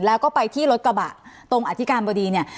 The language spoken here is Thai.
แล้วก็ไปที่รถกระบะตรงอธิการบดีเนี่ย